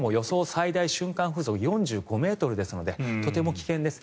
最大瞬間風速４５ｍですのでとても危険です。